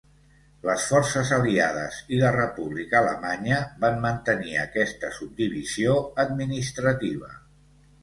Les forces aliades i la república alemanya van mantenir aquesta subdivisió administrativa.